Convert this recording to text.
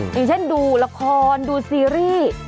อย่างเช่นดูละครดูซีรีส์